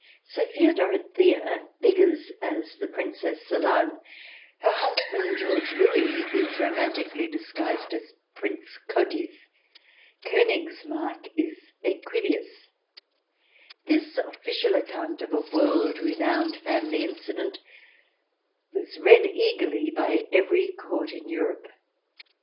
Sophia Dorothea figures as the Princess Solane; her husband, George Louis, is romantically disguised as Prince Cotys. KOnigsmarck is Eaquilius. This 236 THE DESIRABLE ALIEN [ch. xvii official account of a world renowned family incident was read eagerly by every Court in Europe.